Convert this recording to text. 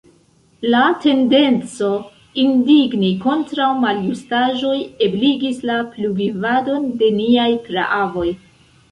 La tendenco indigni kontraŭ maljustaĵoj ebligis la pluvivadon de niaj praavoj.